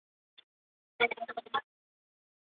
她与李绍希曾赢得世界羽毛球锦标赛女双季军。